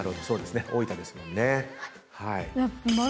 大分ですもんね。